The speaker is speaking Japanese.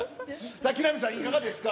さあ、木南さん、いかがですか？